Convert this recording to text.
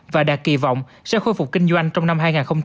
và đạt kỳ vọng sẽ khôi phục kinh doanh trong năm hai nghìn hai mươi